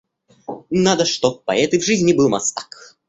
Надо, чтоб поэт и в жизни был мастак.